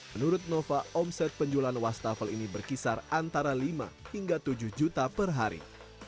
menurut nova omset penjualan wastafel ini berkisar antara lima hingga tujuh juta per hari